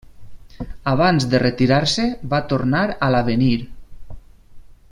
Abans de retirar-se va tornar a l'Avenir.